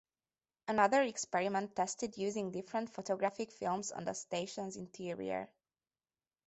Another experiment tested using different photographic films on the station's interior.